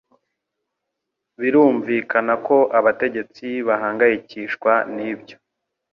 birumvikana ko abategetsi bahangayikishwa n'ibyo